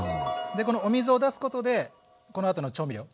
でこのお水を出すことでこのあとの調味料が薄まらない。